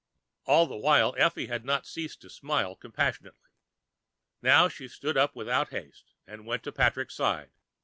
All this while Effie had not ceased to smile compassionately. Now she stood up without haste and went to Patrick's side.